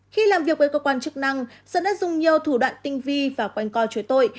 khi làm việc với cơ quan chức năng sơn đã dùng nhiều thủ đoạn tinh vi và quanh co chối tội